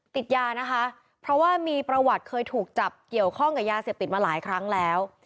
ติดยานะคะเพราะว่ามีประวัติเคยถูกจับเกี่ยวข้องกับยาเสพติดมาหลายครั้งแล้ว